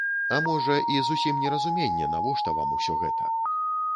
А можа, і зусім неразуменне, навошта вам усё гэта?